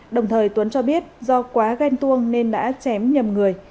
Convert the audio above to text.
đồng thời tuấn cho biết do quá ghen tương nên đã chém nhầm người